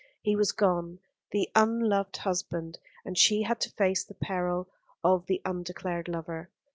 He was gone, the unloved husband, and she had to face the peril of the undeclared lover.